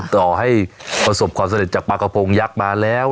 ต่อให้ประสบความสำเร็จจากปลากระพงยักษ์มาแล้ว